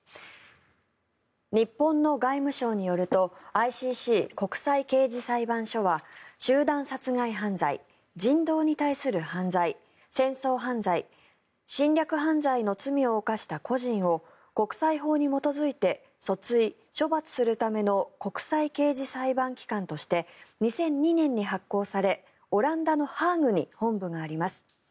日本の外務省によるとＩＣＣ・国際刑事裁判所は集団殺害犯罪、人道に対する犯罪戦争犯罪、侵略犯罪の罪を犯した個人を国際法に基づいて訴追・処罰するための国際刑事裁判機関として２００２年に発効されオランダのハーグに本部があります。